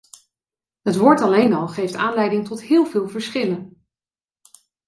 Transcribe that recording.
Het woord alleen al geeft aanleiding tot heel veel verschillen.